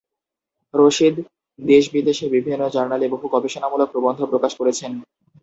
রশীদ দেশ-বিদেশে বিভিন্ন জার্নালে বহু গবেষণামূলক প্রবন্ধ প্রকাশ করেছেন।